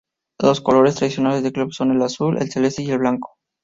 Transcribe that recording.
Los colores tradicionales del club son el azul, el celeste y el blanco.